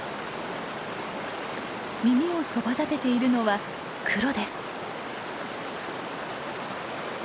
耳をそばだてているのはクロです。